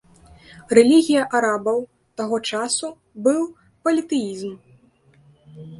Рэлігія арабаў, таго часу, быў політэізм.